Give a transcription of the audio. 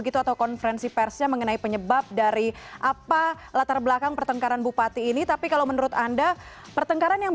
di sisi kompeten pemerintahan